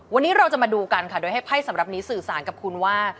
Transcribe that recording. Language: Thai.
วันนี้เราจะมาดูกันค่ะโดยให้ไพ่สำหรับนี้สื่อสารกับคุณว่า